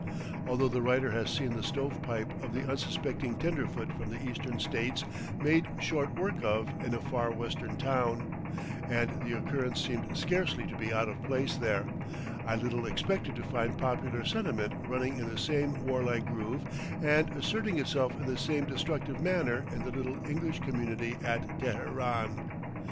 Although the writer has seen the "stove pipe" of the unsuspecting tenderfoot from the Eastern States made short work of in a far Western town, and the occurrence seemed scarcely to be out of place there, I little expected to find popular sentiment running in the same warlike groove, and asserting itself in the same destructive manner in the little English community at Teheran.